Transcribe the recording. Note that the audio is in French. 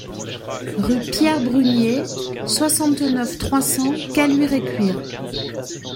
Rue Pierre Brunier, soixante-neuf, trois cents Caluire-et-Cuire